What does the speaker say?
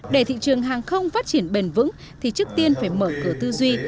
để thị trường hàng không phát triển bền vững thì trước tiên phải mở cửa tư duy